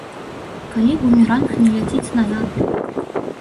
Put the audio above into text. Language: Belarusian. Калі бумеранг не ляціць назад.